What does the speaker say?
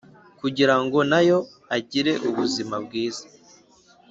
kugira ngo na yo agire ubuzima bwiza.